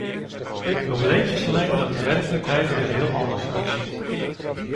Probleem is alleen dat de werkelijkheid er heel anders uitziet.